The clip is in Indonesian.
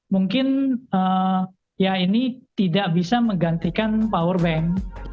mungkin ya ini tidak bisa menggantikan power bank